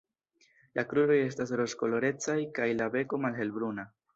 La kruroj estas rozkolorecaj kaj la beko malhelbruna.